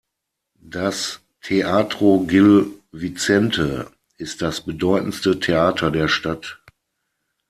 Das "Teatro Gil Vicente" ist das bedeutendste Theater der Stadt.